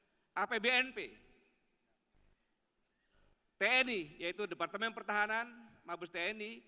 kepala apbnp tni yaitu departemen pertahanan mabes tni